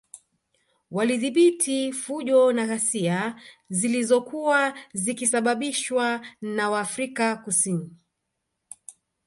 Walidhibiti fujo na ghasia zilozokuwa zikisababishwa na waafrika Kusin